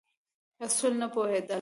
اصولو نه پوهېدل.